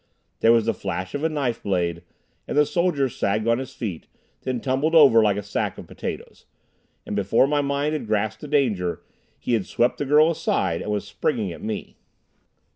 There was the flash of a knife blade, and the soldier sagged on his feet, then tumbled over like a sack of potatoes, and before my mind had grasped the danger, he had swept the girl aside and was springing at me.